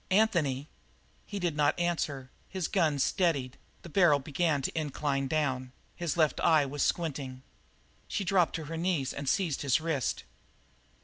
"Anthony!" He did not answer; his gun steadied; the barrel began to incline down; his left eye was squinting. She dropped to her knees and seized his wrist.